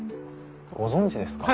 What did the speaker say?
ご存じですか？